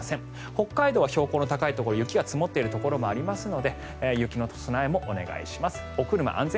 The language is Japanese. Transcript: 北海道は標高の高いところ雪が積もっているところがありますので雪の備えもお願いします。